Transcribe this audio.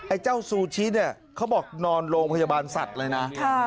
เจ้าซูชิเนี่ยเขาบอกนอนโรงพยาบาลสัตว์เลยนะ